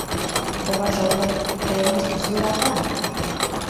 Коваже ойлен: «Тыйым Иисус йӧрата...»